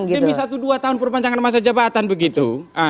jangan ditolak olah demi satu dua tahun perpanjangan masa jabatan begitu